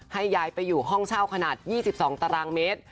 ให้ย้ายไปอยู่ห้องเช่าขนาด๒๒ตารางเมตร